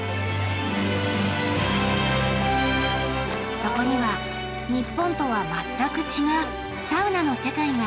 そこには日本とは全く違うサウナの世界が広がっていました。